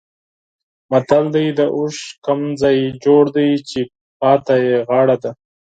متل دی: د اوښ کوم ځای جوړ دی چې پاتې یې غاړه ده.